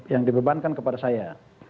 yang dibebankan kepada saya